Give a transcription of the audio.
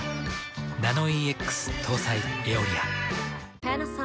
ナノイーＸ搭載「エオリア」。